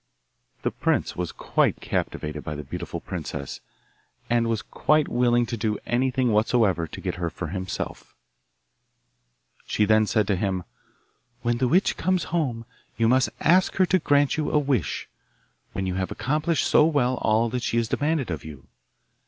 The prince was quite captivated by the beautiful princess, and was quite willing to do anything whatsoever to get her for himself. She then said to him, 'When the witch comes home you must ask her to grant you a wish, when you have accomplished so well all that she has demanded of you.